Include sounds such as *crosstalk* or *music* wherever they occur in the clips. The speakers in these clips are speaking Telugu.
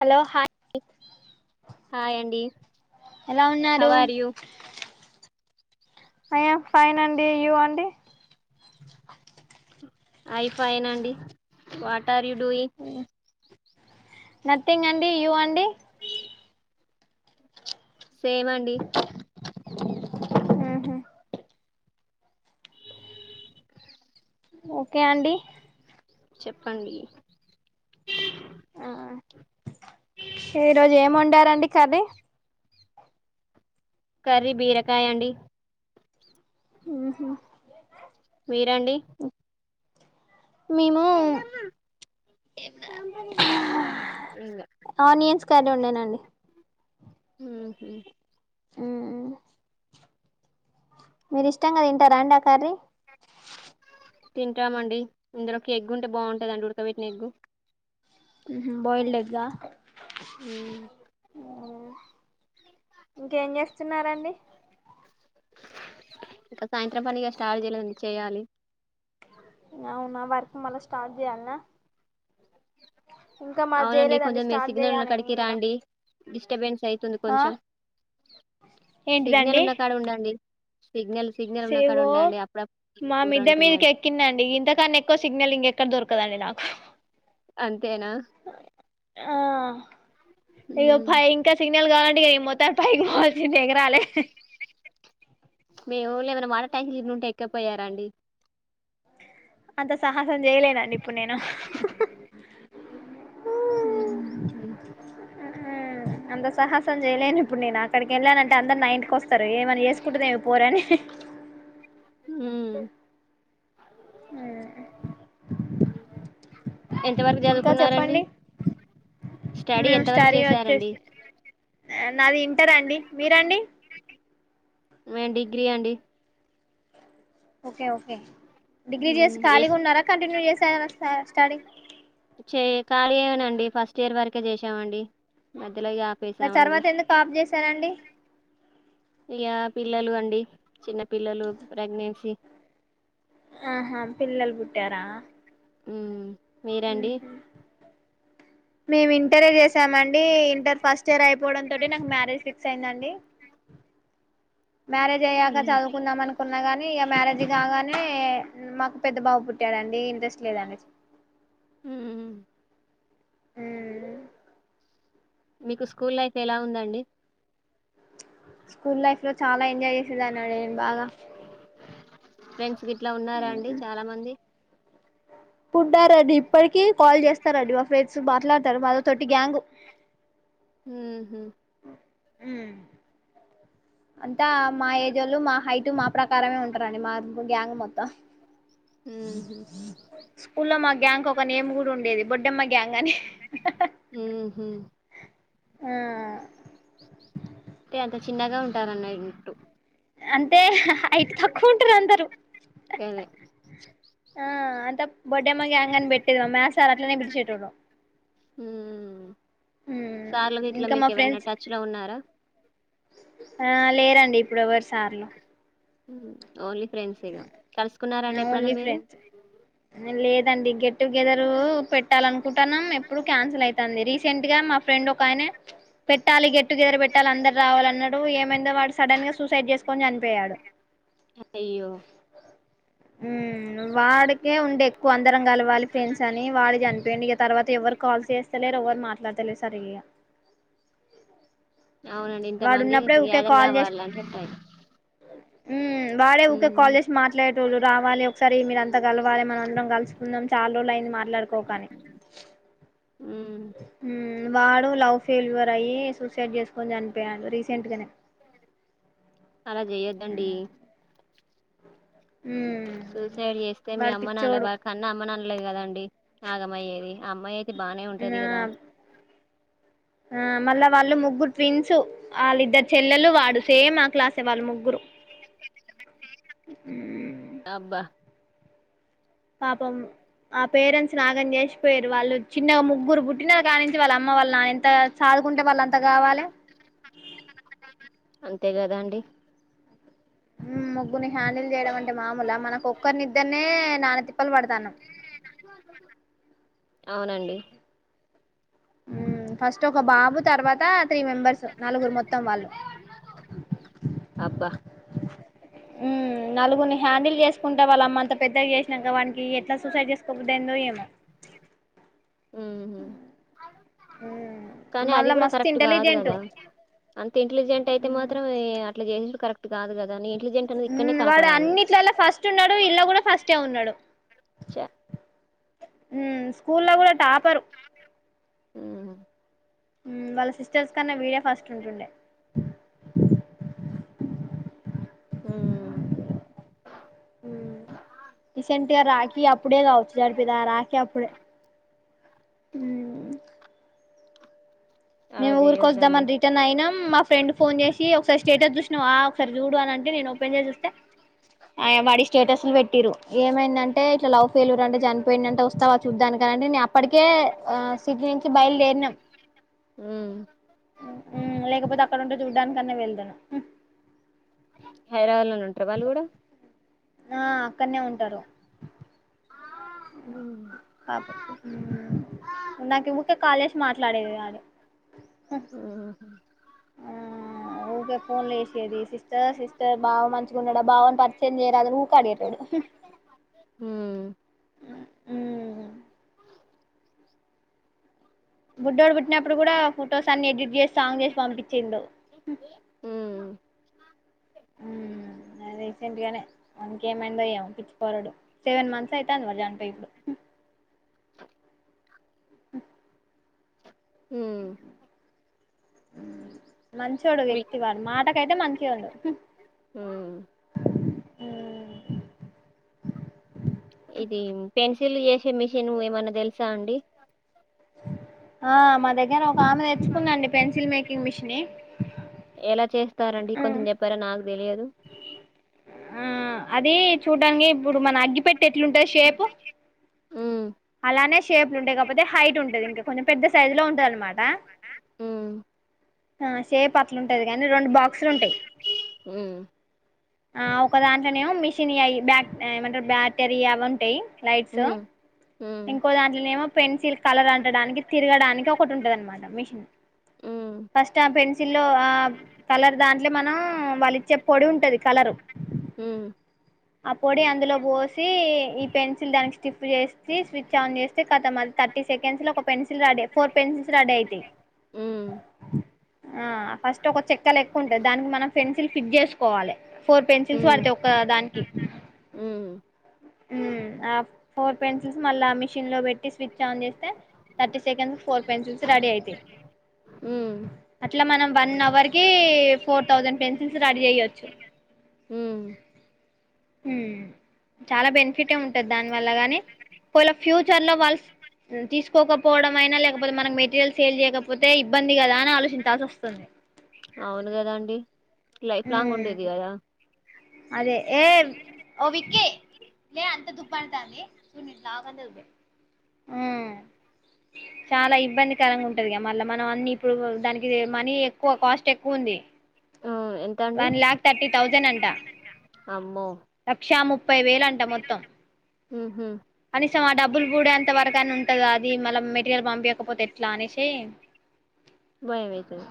హలో హాయ్ హాయ్ అండి ఎలా ఉన్నారు హవర్ యూ అయ్యాం ఫైన్ అండి యూ అండి ఐఫైనండి what are you doing nothing అండి యూ అండి సేమండి ఓకే అండి చెప్పండి ఈరోజేమొండారండి కర్రీ కర్రీ బీరకాయ అండి హహ మీరండి మేము *inaudible* ఆనియన్స్ కర్రీ వండానండి హ హ ఆ మీరు ఇష్టం కద తింట ర అండి ఆ కారీ తింటామండి ఇందులోకి ఎగ్గు ఉంటే బాగుంటుందండి ఉడకబెట్టిన ఎగ్గు ఉహు బాయిల్డ్గా అ ఇంకేం చేస్తున్నారండి ఇంకా సాయంత్రం పనిగా స్టార్ట్ చేయలేదండి చేయాలి అవునా వర్క్ మళ స్టార్ట్ చేయాలనా ఇంకా మాది అవునండి చేయలేదండి కొంచెం మీరు స్టార్ట్ సిగ్నల్ ఉన్న చేయాలి కాడికి మేము కూడా రాండి డిస్టర్బెన్స్ అయితుంది ఆ కొంచెం సిగ్నల్ ఉన్నకాడ ఉండండి సిగ్నల్ సిగ్నల్ ఉన్న కాడ సేవో ఉండండి అప్పుడప్పుడు మా ఊర మిడ్డె మీదకి అంటుందండి ఎక్కిందండి ఇంతకన్నా ఎక్కువ సిగ్నల్ ఇంకెక్కడ దొరకు దండి నాకు అంతేనా ఆ ఇో మ్మ్. పై ఇంకా సిగ్నల్ కావాలంటే ఇనీ మొత్తాలు పైకి పోవల్సింది ఎగరాలే మేము లే ఏమైనా మాట ట్యాష తిన్న ఉంటే ఎక్కపోయారా అండి అంత సాహసం చేయలేనండి ఇప్పుడు నేను హ అంత సాహసం చేయలేను ఇప్పుడు నేను అక్కడికి వెళ్ళానంటే అందరు నైన్కి వస్తం సారు ఏమని చేసుకుంటుదేమి పోరాని హ ఆ ఎంతవరకు ఇంకా చదువుకున్నారండి చెప్పండి స్టడీ మేము ఎంత వరకు స్టారీ చేశారండి వచ్చేసి నాది ఇంటారాండి మీరండి మ డిగ్రీ అండి ఓకే ఓకే డిగ్రీ మ్మ్ చేసి ఎస్ ఖాళీగా ఉన్నారా కంటిన్యూ చేసారా స్టాడి ఖాళీ అవనండి ఫస్ట్ ఇయర్ వరకే చేశామండి మధ్యలో మరి ఆపేసామండి తర్వాత ఎందుకు ఆఫ్ చేశారండి ఇక పిల్లలు అండి చిన్న పిల్లలు ప్రెగ్నెన్సీ ఆహా పిల్లలు పుట్టారా ఉ మీరండి ఉహు మేము ఇంటరే చేసామండి ఇంటర్ ఫస్ట్ ఇయర్ అయిపోవడంతో నాకు మ్యారేజ్ ఫిక్స్ అయిందండి మ్యారేజ్ అయ్యాక మ్మ్ చదువుకుందాం అనుకున్నా గాని ఇక మ్యారేజ్ కాగానే మాకు పెద్ద బాబు పుట్టాడండి ఇంట్రెస్ట్ లేదనేసి హ ఆ మీకు స్కూల్ లైఫ్ ఎలా ఉందండి స్కూల్ లైఫ్ లో చాలా ఎంజాయ్ చేసేదా అన్నాడు నేను బాగా ఫ్రెండ్స్ గిట్లా ఉన్నారా అండి చాలా మంది పుంటారంండి ఇప్పటికీ కాల్ చేస్తారంండి మా ఫ్రెండ్స్ మాట్లాడతారు మాతో తోటి గ్యాంగ్ హ అ అంతా మా ఏజోళ్ళు మా హైటు, మా ప్రకారమే ఉంటారండి మా గ్యాంగు మొత్తం. ఊహు ఇంకొక నేమ్ గూడ ఉండేది బొడ్డెమ్మ గ్యాంగ్ అని. మ్మ్ హ్మ్ ఆ అంటే అంత చిన్నగా ఉంటారన్నయిటు. అంటే హైట్ తక్కువుంటరు అందరు. అదే ఆ అంత బొడెమ్మ గ్యాంగ్ అని పెట్టేది మా మ్యాత్స సార్ అట్లనే పిలిశేటోడు. ఊ సార్లు గిట్ల ఇంకా మా మీకెవరన్న ఫ్రెండ్స్ టచ్ లో ఉన్నారా. ఆ లేరండి ఇప్పుడు ఎవర్ సార్లు. ఉ ఓన్లీ ఫ్రెండ్సే గా కల్సుకున్నారండి ఎప్పుడన్నా మీరు. రండి గెట్ టుగెదరూ పెట్టాలనుకుంటాన్నం ఎప్పుడు క్యాన్సల్ అయితాంది. రీసెంట్ గా మా ఫ్రెండ్ ఒకాయన పెట్ పెట్టాలి గెట్టుగెదర్ పెట్టాలి అందరు రావాలన్నడూ ఇగ ఏమైందో వాడు సడన్ గా సూసైడ్ చేసుకొన్ చనిపోయాడు. అయ్యో ఊ వాడికే ఉండే ఎక్కువ అందరం కలవాలి ఫ్రెండ్స్ అనీ వాడు చనిపోయిండు ఇగ తర్వాత ఎవరు కాల్స చేస్తలేరు. ఎవరు మాట్లాడతలే సరిగ ఇగా. అవునండి వాడు ఇంతమందీ ఉన్నప్పుడే ఊకే గ్యాదర్ కాల్ గావాలంటే టైం ఊ బా ట్ ఉమ్ కాల్ చేశి మాట్లాడే టోళ్ళు రావాలె ఒకసారి మీరంత కల్వాలె మనం అందరం కల్సుకుందాం చాల రోజులయింది. మాట్లాడుకోక అని ఊ ఉమ్ వాడు లవ్ ఫెల్యూవర్ అయీ సూసైడ్ చేసుకొని చనిపోయాడు రీసెంట్గనే. అలా జెయొద్దండీ. ఉమ్ సూసైడ్ చేస్తే మీ వాడు అమ్మ పిచ్చోడు నాన్నల కన్న అమ్మనాన్నలే కదండి ఆగమయ్యేది. ఆ అమ్మాయి అయితే బానే ఉంటది ఆ గదా. ఆ మళ్ళా వాళ్ళు ముగ్గురు ట్విన్సు. ఆళ్ళిద్దరు చెల్లెలు వాడు సేమ్ మా క్లాసే వాళ్ళు ముగ్గురు. ఊ అబ్బా పాపం ఆ పేరెంట్స్ ని ఆగం చేశిపోయిరు. వాళ్ళు చిన్నగ ముగ్గురు పుట్టిన కాన్నుంచి వాళ్ళ అమ్మ వాళ్ళ నాన్న ఎంతా సాద్ దుకుంటే వాళ్ళు అంత గావాలే. అంతే గదా అండి. ముగ్గుర్ని హ్యాండిల్ జేయడం అంటే మాములా మనకొక్కర్ని నిద్దర్నే నానా తిప్ప్ ప్పల్ పడతానం. అవునండి. ఊ ఫస్టు ఒక బాబు తర్వాతా త్రీ మెంబర్సు, నలుగురు మొత్తం వాళ్ళు. అబ్బా ఉ నలుగురిని హ్యాండిల్ చేసుకుంటా వాళ్ళ అమ్మ అంత పెద్దగ చేశినంక వానికీ ఎట్లా సూసైడ్ చేసుకోబుద్ది అయిందో ఏమో. అ ఊహు. కానీ అది మళ్ళా గూడా మస్తు కరెక్ట్ గాదు ఇంటెలిజెంట్ కదా. అంత ఇంటెలిజెంట్ అయితే మాత్రం ఈ అట్ల చేశుడు కరెక్ట్ గాదు గదా నీ ఇం ఊ వాడు అన్నిట్లల్లా ఫస్ట్ ఉన్నడూ. ఇల్ల గూడా ఫస్టే ఉన్నడు. చ ఊ స్కూల్ల గూడా టాపరు. ఊహు ఊ వాళ్ళ సిస్టర్స్ కన్నా వీడే ఫస్ట్ ఉంటుండే. హ్మూ ఊ రీసెంట్గా రాఖీ అప్పుడే గావచ్చు చనిపోయింది ఆ రాఖీ అప్పుడే. ఉమ్మ్ అలా మేము ఊరికి వద్దాం చేయొద్దండి అని రిటర్న్ అయినాం మా ఫ్రెండ్ ఫోన్ చేసి ఒకసారి స్టేటస్ చూసినవ ఒకసారి చూడు అని అంట టె నేను ఓపెన్ చేసి చూస్తే ఆ వాడి స్టేటస్లు పెట్టిరు ఏమైంది అని అంటే ఇట్లా లవ్ ఫెల్యూరు అంటే చనిపోయిండు అంటే వస్తవా చూద్దానికనింటే అప్పటికే ఆ సిటీ నుంచి బయలుదేరినాం ఉమ్ మ్మ్ లేకపోతే అక్కడ ఉంటే చూడ్డానికన్నా వెల్దును హైదరాబాద్ లోనే ఉంటారు వాళ్ళు కూడా ఆ అక్కడనే ఉంటారు ఇందాక ఎందుకో కాల్ చేసినావ్ మాట్లాడేది కాదు హ్మ్ ఆ ఊకే ఫోన్లు చేసేది సిస్టర్ సిస్టర్ బావ మంచిగున్నాడా బావని పరిచయం చేయరాదని ఊక అడిగెటోల్లాం ఆ హ హ్మ్ మ్మ్ బుడ్డోడు పుట్టినప్పుడు కూడా ఫొటోస్ అన్ని ఎడిట్ చేసి సాంగ్ చేసి పంపించిడు హ్మ్ మ్మ్ రీసెంట్ గానే వానికి ఏమైందో ఏమో పిచ్చి పోరడు సెవెన్ మంత్స్ అయితంది వాడు చనిపోయి ఇప్పుడు హ్మ్ హ్మ్ మంచోడు మీకు వ్యక్తి వాడు మాటకైతే మంచిగుండె హ్మ్ ఇది పెన్సిల్లు చేసే మిషన్ ఏమన్నా తెలుసా అండి ఆ మా దగ్గర ఒక ఆమె తెచ్చుకుందండి పెన్సిల్ మేకింగ్ మిషిన్ ఎలా చేస్తారండి కొంచెం చెప్పారా నాకు తెలియదు ఆ అది చూడ్డానికి ఇప్పుడు మన అగ్గి పెట్టి ఎట్లుంటది షేపు ఉమ్ అలానే షేప్లు ఉంటాయి కాకపోతే హైట్ ఉంటది ఇంకా కొంచెం పెద్ద సైజ్ లో ఉంటది అనమాట హ్మ్ ఆ సేపు అట్లు ఉంటాది కాని రెండు బాక్సులు ఉంటాయి ఉమ్ ఆ ఒక దాంట్లానేమో మిషన్ యి అవి బ్యా ఏమంటరు బ్యాటరీ అవి ఉంటాయి లైట్స్ ఉమ్ ఉమ్ ఇంకో దాంట్లోనేమో పెన్సిల్ కలర్ అంటడానికి తిరగడానికి ఒకటి ఉంటది అనమాట మిషన్ ఉమ్ ఫస్ట్ ఆ పెన్సీ ల్లో ఆ కలర్ దాంట్లో మనం వాళ్ళిచ్చే పొడి ఉంటంది కలర్ ఉమ్ అ పొడి అందులో పోసి ఈ పెన్సిల్ దానికి స్టిఫ్ చేస్త స్విచ్ ఆన్ చేస్తే కథం థర్టీ సెకండ్స్ లో ఒక pencil ready four pencils ready అయిథాయి హ్మ్ ఆ ఫస్ట్ ఒక చెక్క లెక్క ఉంటాది దానికి మనం ఫెన్సిల్ ఫిట్ చేసుకోవాలి ఫోర్ పెన్సిల్స్ ఉమ్ పడతాయి ఒక దానికి ఉమ్ ఆ ఫోర్ పెన్సిల్స్ మళ్ళా మిషన్ లో పెట్టి స్విచ్ ఆన్ చేస్తే థర్టీ సెకండ్స్ లో ఫోర్ పెన్సిల్స్ రెడీ అయితాయి హ్మ్ ఇట్లా మనం వన్ అవర్ కి ఫోర్ థౌజండ్ పెన్సిల్స్ రెడీ చేయ్యొచ్చు ఉమ్ చాలా బెనిఫిట్ ఉంటది దాని వల్ల గాని పోళ ఫ్యూచర్ లో వాళ్ళ తీసుకోకపోవడం అయినా లేకపోతే మనకి మెటీరియల్ సేల్ చేయకపోతే ఇబ్బంది కదా అని ఆలోచించాల్సి వస్తుంది అవును కదా అండి లైఫ్ లాంగ్ మ్మ్ ఉండేది కదా అదే ఏ ఓ విక్కే లే అంత తుప్ప అంతా అి చూ ఇట్ ఆదే *inaudible* చాలా ఇబ్బందికరంగా ఉంటదిగా మళ్ళీ ఇప్పుడు దానికి మనీ ఎక్కువ కాస్ట్ ఎక్కువ ఉంది ఆ ఎంత అండి వన్ లాక్ థర్టీ తౌసండ్ అంటా అమ్మో యా ముప్పై వేలు అంటా మొత్తం ఉహు కొంచెం ఆ డబ్బులు కూడే అంత వరకన్న ఉంటది అది మళ్ళ మెటీరియల్ పంపియకపోతే ఎట్లా అనేషి భయం అయితది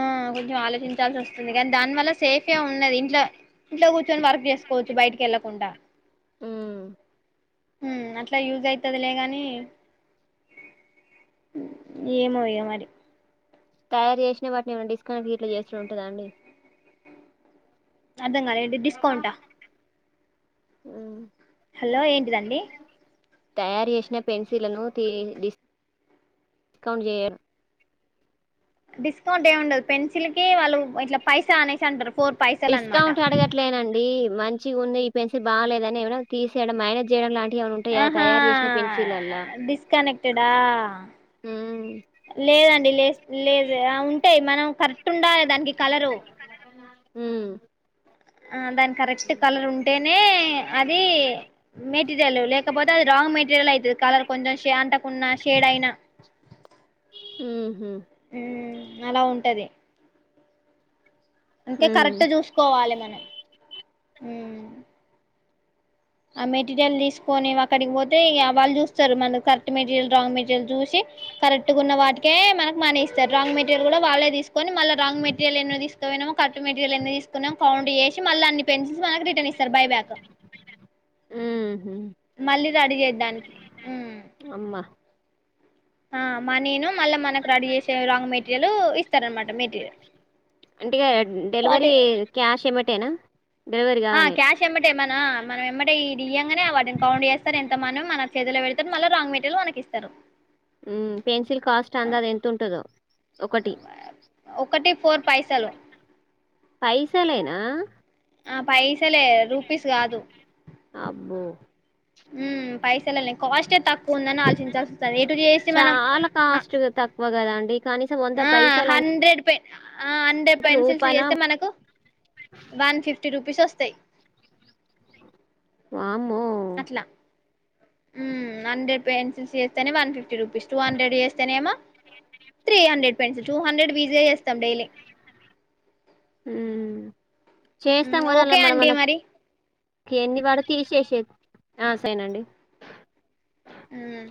ఆ కొంచెం ఆలోచించాల్సి వస్తుంది కానీ దానివల్ల సేఫ్ ఏ ఉన్నది ఇంట్ల ఇంట్లో కూర్చొని వర్క్ చేసుకోవచ్చు బయటికెళ్ళకుండా ఉమ్ ఉమ్ అట్లా యూస్ అయితదిలే కానీ ఏమో ఇగ మరి తయారు చేసిన వాటిని ఏమైనా డిస్కౌంట్ గిట్ల చేసుడు ఉంటదా అండి అర్థంకాలే ఏంటిది డిస్కౌంట్ ఆ ఉమ్ హలో ఏంటిదండి తయారు చేసిన పెన్సిల్లను తీ డిస్క్ స్కౌంట్ చేయరు డిస్కౌంట్ ఏం ఉండదు పెన్సిల్ కి వాళ్ళు ఇట్లా పైస అనేసి అంటరు డిస్కౌంట్ అడగట్లేనండి మంచిగ ఉన్నాయి ఈ పెన్సిల్ బాలేదని ఎవరన్నా తీసేయడం మ్యానేజ్ చేయడం లాంటి ఆహా డిస్కనెక్టేడ్ ఆ లేదండి లేస్ లేదు లేదు ఉంటాయి మనం కరెక్ట్ ఉండాలి దానికి కలరు ఉమ్ దానికి కరెక్ట్ కలర్ ఉంటేనే అది మెటీరియల్ లేకపోతే అది రాంగ్ మెటీరియల్ అయితది కలర్ కొంచెం షే అంటకున్నా షేడ్ అయినా ఉహు ఉమ్ అలా ఉంటది అందుకే కరెక్ట్ చూసుకోవాలి మనం ఉమ్ ఆ మెటీరియల్ తీసుకొని అక్కడికి పోతే ఇగ వాళ్ళు చూస్తారు మనది కరెక్ట్ మెటీరియల్ రాంగ్ మెటీరియల్ చూసి కరెక్ట్ గా ఉన్న వాటికే మనకి మనీ ఇస్తారు రాంగ్ మెటీరియల్ కూడా వాళ్ళే తీసుకు కొని మళ్ళ రాంగ్ మెటీరియలు ఎన్ని తీసుకుపోయినామో కట్ మెటీరియల్ ఎన్ని తీసుకున్నాం కౌంట్ చేసి మళ్ళ అన్ని పెన్సిల్స్ మనకి రిటన్ ఇస్ స్తారు బై బ్యాక్ బై బ్యాక్ మళ్ళీ రడి చేయడానికి ఉమ్ అమ్మ ఆ మా నేను మళ్ళీ మనకు రెడీ చేసే రాంగ్ మెటీరియల్ ఇస్తారు అనమాట మెటీరియల్ ఇగ డెలివరీ వాటి క్యాష్ ఎంబటేనా ఆ క్యాష్ ఎంబటే మన ఆ మనం ఎంబడే ఇయ్యంగానే వాటిని కౌంట్ చేస్తారు ఎంత మనో మన చేతిలో వెడతారు మళ్ళ రాంగ్ మెటీరియల్ మనకి ఇస్తారు ఉమ్ పెన్సిల్ కాస్ట్ అంతది ఎంత ఉంటదో ఒకటి ఒకటీ ఫోర్ పైసలు పైసలేనా ఆ పైసలే రూపీస్ కాదు అబ్బో ఉమ్ పైస లే లే కాస్టే తక్కువ ఉందని ఆలోచించాల్సి వస్తది ఎటు చేసి మనం చాలా ఆ కాస్ట్ తక్కువ కదండి. కనీసం ఆ పైసలంటే హండ్రెడ్ ఆ హండ్రెడ్ పెన్సిల్స్ రూపాయనో చేస్తే మనకు వన్ ఫిఫ్టీ రూపీస్ వస్తాయి వామ్మో! అట్ల ఉమ్ హండ్రెడ్ పెన్సిల్స్ చేస్తేనే one fifty rupees two hundred చేస్తేనేమో three hundred pencil two hundred easy గా చేస్తాం డైలీ హ్మ్ చేస్తాం కానీ అలా ఓకే మన అండి మనకు మరి కె ఎన్ని వాడ తీసేసే ఆ సైనండి ఉమ్